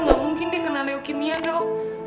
gak mungkin dikenal lewukimia dok